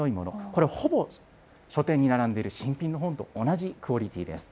これ、ほぼ書店に並んでいる新品の本と同じクオリティーです。